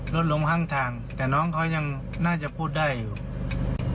รถล้มข้างทางแต่น้องเขายังน่าจะพูดได้อยู่